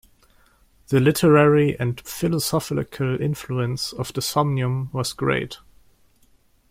The literary and philosophical influence of the "Somnium" was great.